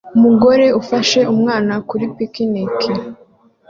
umugore ufashe umwana kuri picnic